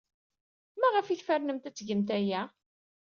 Maɣef ay tfernemt ad tgemt aya?